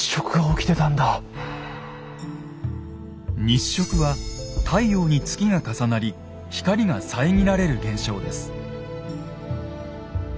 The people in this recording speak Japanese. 日食は太陽に月が重なり光が遮られる現象です。